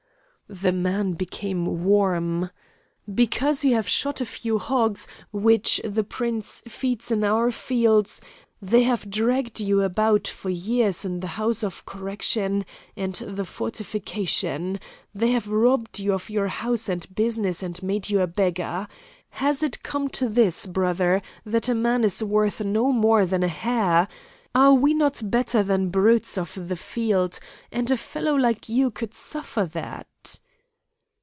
"The man became warm. 'Because you have shot a few hogs, which the prince feeds in our fields they have dragged you about for years in the house of correction and the fortification, they have robbed you of your house and business and made you a beggar. Has it come to this, brother, that a man is worth no more than a hare? Are we not better than brutes of the field? And a fellow like you could suffer that?